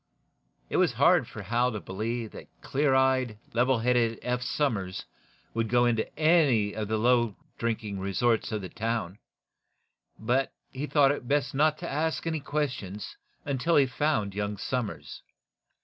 It was hard for Hal to believe that clear eyed, level headed Eph Somers would go into any of the low drinking resorts of the town; but he thought it best not to ask any questions until he found young Somers.